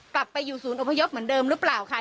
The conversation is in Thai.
กลับไปอยู่ศูนย์อพยพเหมือนเดิมหรือเปล่าค่ะ